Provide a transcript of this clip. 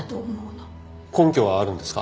根拠はあるんですか？